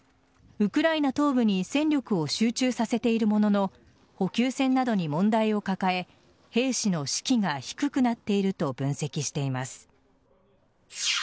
ウクライナ東部に戦力を集中させているものの補給線などに問題を抱え兵士の士気が低くなっていると分析しています。